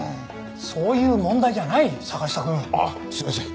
そういう問題じゃない坂下くん！あっすいません。